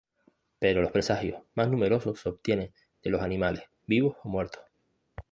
Pero los presagios más numerosos se obtienen de los animales, vivos o muertos.